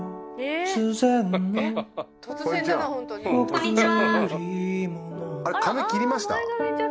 こんにちは。